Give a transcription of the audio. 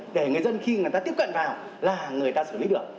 để người dân khi người ta tiếp cận vào là người ta xử lý được